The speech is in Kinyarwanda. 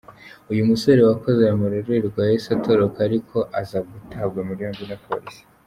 Uyu musore wakoze ayo marorerwa yahise atoroka ariko aza gutabwa muri yombi na polisi.